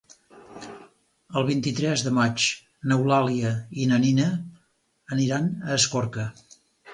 El vint-i-tres de maig n'Eulàlia i na Nina aniran a Escorca.